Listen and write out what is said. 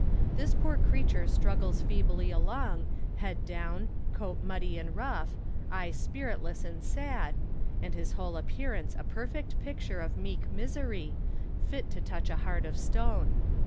This poor creature struggles feebly along, head down, coat muddy and rough, eye spiritless and sad, and his whole appearance a perfect picture of meek misery, fit to touch a heart of stone.